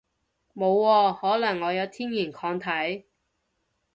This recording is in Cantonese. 冇喎，可能我有天然抗體